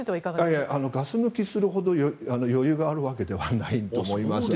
ガス抜きするほど余裕があるわけではないと思います。